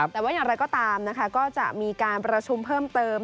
แต่ว่าอย่างไรก็ตามนะคะก็จะมีการประชุมเพิ่มเติม